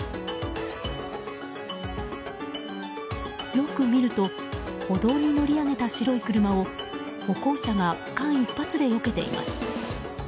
よく見ると歩道に乗り上げた白い車を歩行者が間一髪でよけています。